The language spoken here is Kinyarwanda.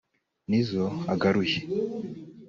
n'izo agaruye